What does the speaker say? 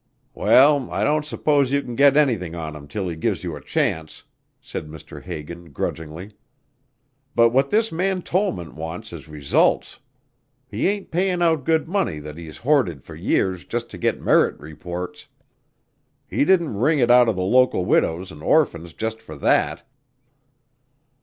"Well, I don't suppose you can get anything on him till he gives you a chance," said Mr. Hagan grudgingly, "but what this man Tollman wants is results. He ain't paying out good money that he's hoarded for years, just to get merit reports. He didn't wring it out of the local widows and orphans just for that."